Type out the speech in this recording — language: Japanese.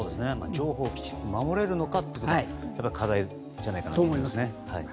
情報をきちっと守れるのかが課題じゃないかと思います。